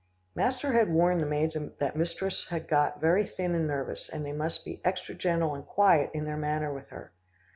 Master had warned the maids that mistress had got very thin and nervous, and they must be extra gentle and quiet in their manner with her.